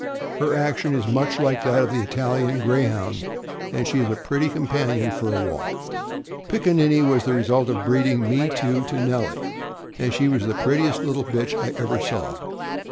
Her action is much like that of the Italian Greyhound, and she is a pretty companion for a walk. Pickaninny (6077) was the result of breeding Me Too to Nellie, and she was the prettiest little bitch I ever saw.